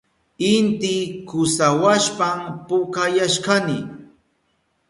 Inti kusawashpan pukayashkani.